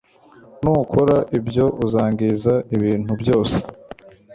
Nukora ibyo uzangiza ibintu byose